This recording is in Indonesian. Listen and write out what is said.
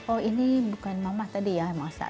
oh ini bukan mamah tadi ya yang masak